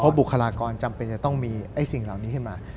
บุคลากรจำเป็นจะต้องมีสิ่งเหล่านี้ขึ้นมา